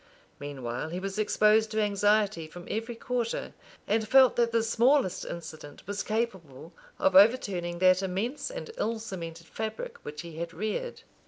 Meanwhile he was exposed to anxiety from every quarter; and felt that the smallest incident was capable of overturning that immense and ill cemented fabric which he had reared.